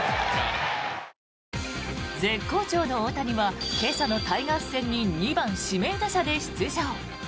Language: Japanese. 絶好調の大谷は今朝のタイガース戦に２番指名打者で出場。